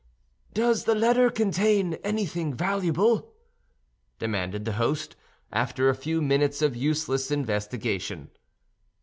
"Does the letter contain anything valuable?" demanded the host, after a few minutes of useless investigation.